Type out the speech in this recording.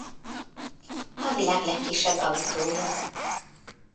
A világ legkisebb autója.